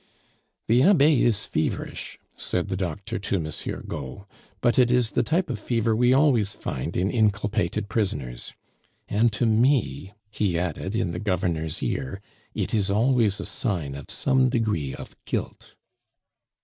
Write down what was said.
"The Abbe is feverish," said the doctor to Monsieur Gault, "but it is the type of fever we always find in inculpated prisoners and to me," he added, in the governor's ear, "it is always a sign of some degree of guilt."